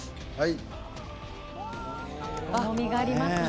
はい。